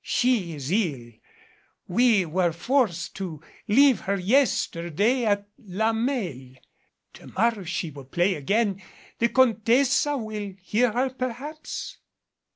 She is ill. We were forced to leave her yesterday at La Mesle. To morrow she will play again. The Contessa will hear her, perhaps?"